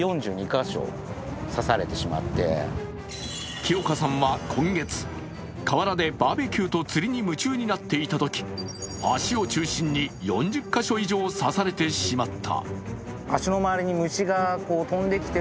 木岡さんは今月、河原でバーベキューと釣りに夢中になっていると足を中心に４０か所以上刺されてしまった。